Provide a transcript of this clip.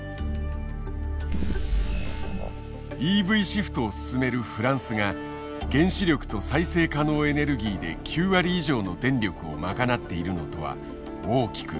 ＥＶシフトを進めるフランスが原子力と再生可能エネルギーで９割以上の電力を賄っているのとは大きく異なる。